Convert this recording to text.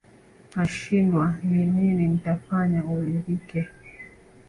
nashindwa ni nini ntafanya uridhike